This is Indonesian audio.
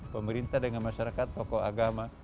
pemerintah dengan masyarakat tokoh agama